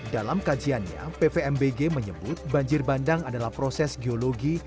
dalam kajiannya pvmbg menyebut banjir bandang adalah proses geologi